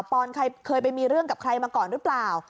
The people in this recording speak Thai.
ออนเคยไปมีเรื่องกับใครมาก่อนหรือเปล่า